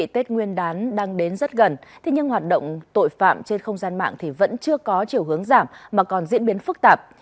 tết nguyên đán đang đến rất gần nhưng hoạt động tội phạm trên không gian mạng vẫn chưa có chiều hướng giảm mà còn diễn biến phức tạp